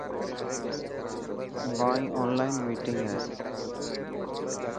مائن اونلان مينٽنگ هي.